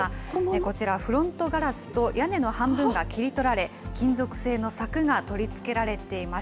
こちら、フロントガラスと屋根の半分が切り取られ、金属製の柵が取り付けられています。